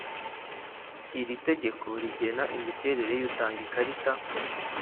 iri tegeko rigena imiterere y utanga ikarita